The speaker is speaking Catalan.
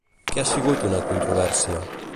Què ha sigut una controvèrsia?